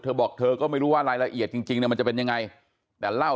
เธอบอกเธอก็ไม่รู้ว่ารายละเอียดจริงเนี่ยมันจะเป็นยังไงแต่เล่า